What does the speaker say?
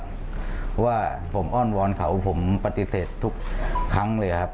เพราะว่าผมอ้อนวอนเขาผมปฏิเสธทุกครั้งเลยครับ